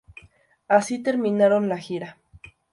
Así terminaron la gira.